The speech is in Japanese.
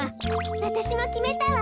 わたしもきめたわ。